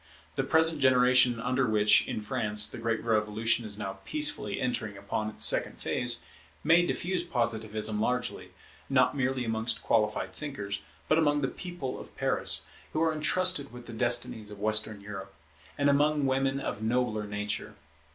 The present generation under which, in France, the great revolution is now peacefully entering upon its second phase, may diffuse Positivism largely, not merely amongst qualified thinkers, but among the people of Paris, who are entrusted with the destinies of Western Europe, and among women of nobler nature.